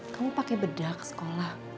kamu pake bedak sekolah